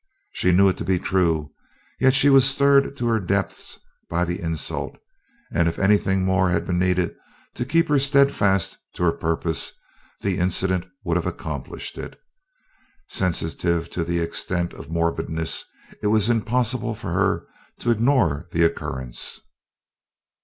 She knew it to be true, yet she was stirred to her depths by the insult, and if anything more had been needed to keep her steadfast to her purpose, the incident would have accomplished it. Sensitive to the extent of morbidness it was impossible for her to ignore the occurrence.